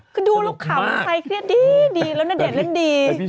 ก็ดูแล้วขำใครเครียดดีแล้วณเดชน์เล่นดี